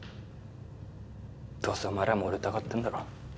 どうせお前らも俺疑ってんだろ？